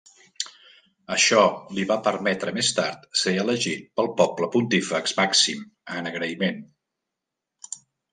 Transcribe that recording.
Això li va permetre més tard ser elegit pel poble Pontífex Màxim, en agraïment.